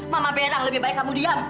mama berang lebih baik kamu diam